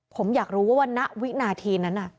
ผมอยากรู้ว่าณวินาทีนั้น